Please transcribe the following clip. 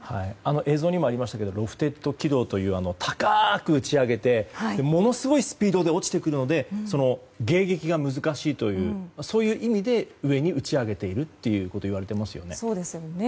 映像にもありましたけどロフテッド軌道という高く打ち上げてものすごいスピードで落ちてくるので迎撃が難しいという意味で上に打ち上げているといわれていますよね。